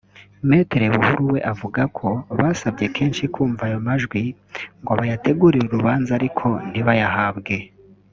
Me Buhuru we yavuze ko basabye kenshi kumva ayo majwi ngo bayategurire urubanza ariko ntibayahabwe